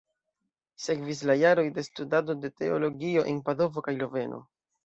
Sekvis la jaroj de studado de teologio en Padovo kaj Loveno.